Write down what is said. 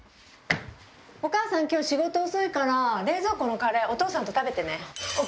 お母さん、きょう、仕事遅いから、冷蔵庫のカレー、お父さんと食べてね。